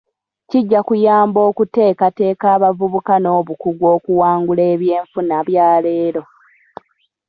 Kijja kuyamba okuteekateeka abavubuka n'obukugu okuwangula ebyenfuna byaleero .